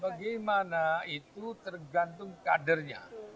bagaimana itu tergantung kadernya